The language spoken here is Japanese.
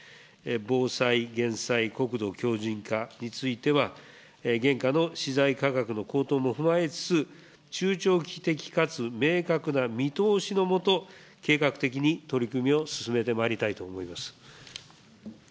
防災・減災・国土強じん化については、現下の資材価格の高騰も踏まえつつ、中長期的かつ明確な見通しの下、計画的に取り組みを進めてまいりたいと思います。